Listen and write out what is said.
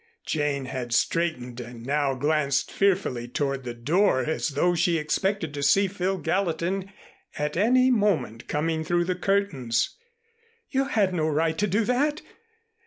Jane had straightened and now glanced fearfully toward the door as though she expected to see Phil Gallatin at any moment coming through the curtains. "You had no right to do that!